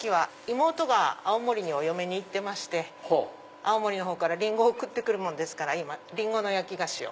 妹が青森にお嫁に行ってまして青森からリンゴを送って来るから今リンゴの焼き菓子を。